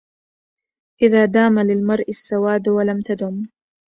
إذا دام للمرء السواد ولم تدم